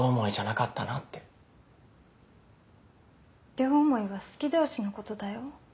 両思いは好き同士のことだよ。